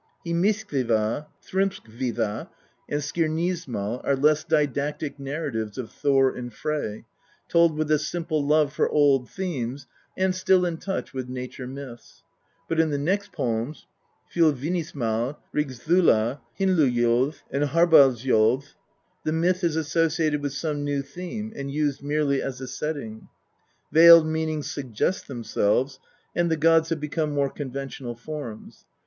HymiskviJ?a, Thrymskvtya, and Skirnismal are less didactic narratives of Thor and Frey, told with a simple love for old themes, and still in touch with nature myths ; but in the next poems Fjolsvinnismal, RigsJ>ula, Hynd luljoj? and HarbardsljoJ>, the myth is associated with some new theme, and used merely as a setting ; veiled meanings suggest themselves, and the gods have become more conventional forms.